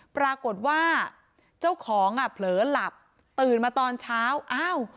ปรากฏว่าเจ้าของอ่ะเผลอหลับตื่นมาตอนเช้าอ้าว